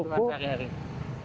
cukup dengan sehari hari